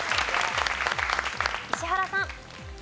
石原さん。